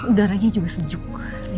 udaranya juga sejuk